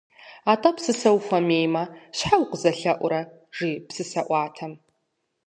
Атӏэ, псысэ ухуэмеймэ, щхьэ укъызэлъэӏурэ? - жи псысэӏуатэм.